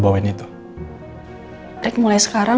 saya sedang menerjakan ermin